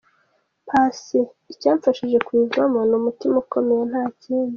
Paccy: Icyamfashije kubivamo ni umutima ukomeye nta kindi.